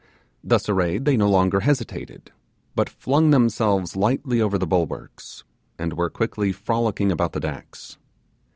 Thus arrayed they no longer hesitated, but flung themselves lightly over the bulwarks, and were quickly frolicking about the decks.